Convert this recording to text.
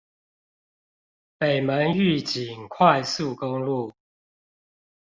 北門玉井快速公路